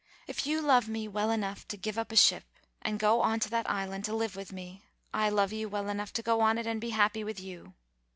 If you love me well enough to give up a ship, and go on to that island to live with me, I love you well enough to go on it and be happy with you.